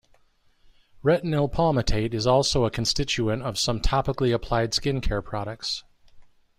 Retinyl palmitate is also a constituent of some topically applied skin care products.